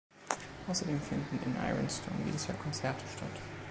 Außerdem finden in Ironstone jedes Jahr Konzerte statt.